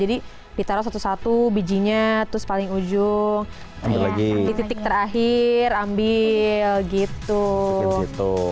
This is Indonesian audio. satu ratus sebelas jadit i scale sebelas di paprika egynya terus paling ujung dipitik terakhir ambil gitu gitu